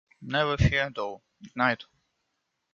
Never fear though, Ignite!